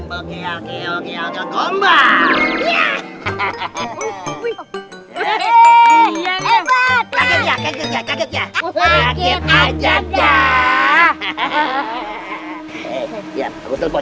mau nunggu telpon